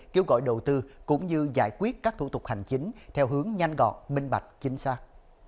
kêu gọi đầu tư cũng như giải quyết các thủ tục hành chính theo hướng nhanh gọn minh bạch chính xác